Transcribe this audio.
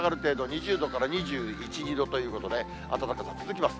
２０度から２１、２度ということで、暖かさ続きます。